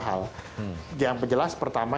hal yang jelas pertama